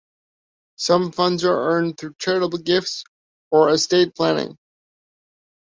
Some funds are earned through charitable gifts or estate planning.